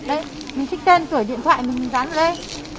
đấy mình thích thêm cửa điện thoại mình dán vào đây